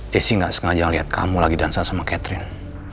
desi nggak sengaja lihat kamu lagi dansa sama catherine